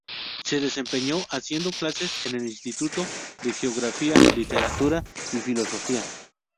Se desempeñó haciendo clases en el Instituto, de Geografía, Literatura y Filosofía.